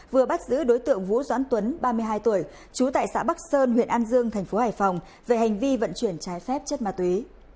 vừa bắt giữ đối tượng vũ doãn tuấn ba mươi hai tuổi trú tại xã bắc sơn huyện an dương thành phố hải phòng về hành vi vận chuyển trái phép chất ma túy